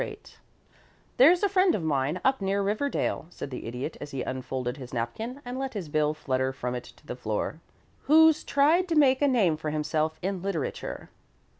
VIII "There's a friend of mine up near Riverdale," said the Idiot, as he unfolded his napkin and let his bill flutter from it to the floor, "who's tried to make a name for himself in literature."